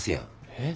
えっ？